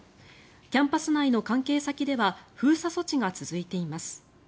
キャンパス内の関係先では封鎖措置が続いています。